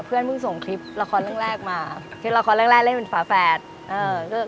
เพิ่งส่งคลิปละครเรื่องแรกมาคลิปละครแรกแรกเล่นเป็นฝาแฝดเออ